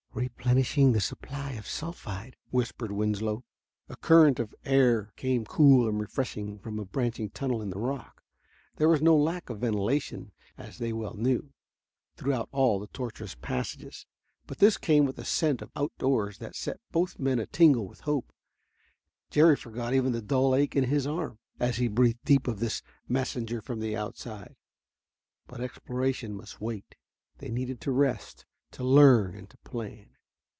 "Replenishing the supply of sulphide," whispered Winslow. A current of air came cool and refreshing from a branching tunnel in the rock. There was no lack of ventilation, as they well knew, throughout all the tortuous passages, but this came with a scent of outdoors that set both men a tingle with hope. Jerry forgot even the dull ache in his arm as he breathed deep of this messenger from the outside. But exploration must wait. They needed to rest, to learn and to plan.